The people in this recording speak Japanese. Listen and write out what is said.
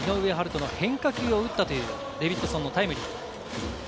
大の変化球を打ったというデビッドソンのタイムリー。